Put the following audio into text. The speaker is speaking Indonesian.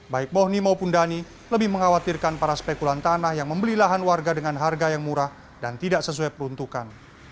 baik bohni maupun dhani lebih mengkhawatirkan para spekulan tanah yang membeli lahan warga dengan harga yang murah dan tidak sesuai peruntukan